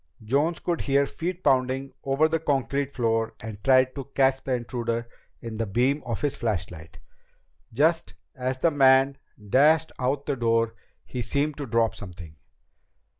Jones could hear feet pounding over the concrete floor and tried to catch the intruder in the beam of his flashlight. Just as the man dashed out the door, he seemed to drop something."